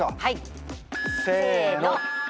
せの。